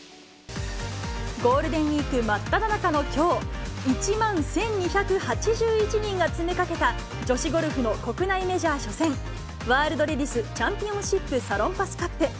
ゴールデンウィーク真っただ中のきょう、１万１２８１人が詰めかけた女子ゴルフの国内メジャー初戦、ワールドレディスチャンピオンシップサロンパスカップ。